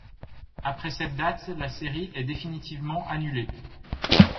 Après cette date la série est définitivement annulée.